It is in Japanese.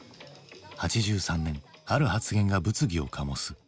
８３年ある発言が物議を醸す。